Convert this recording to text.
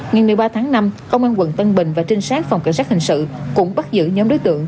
ngày một mươi ba tháng năm công an tp hcm và trinh sát phòng cảnh sát hình sự cũng bắt giữ nhóm đối tượng